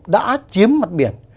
đã chiếm mặt biển